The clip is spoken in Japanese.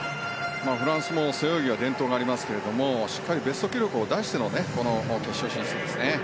フランスも背泳ぎは伝統がありますけどしっかりベスト記録を出しての決勝進出ですね。